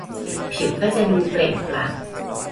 ผิวก็จะดูเปล่งปลั่ง